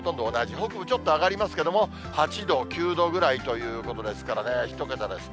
北部ちょっと上がりますけれども、８度、９度ぐらいということですからね、１桁ですね。